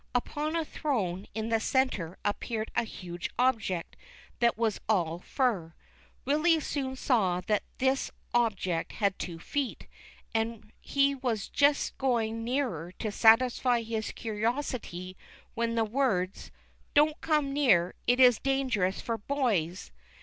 Upon a throne in the centre appeared a huge object that was all fur. Willy soon saw that this object had two feet, and he was just going nearer to satisfy his curiosity when the words, " Don't come near, it is dangerous for boys